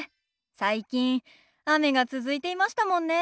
最近雨が続いていましたもんね。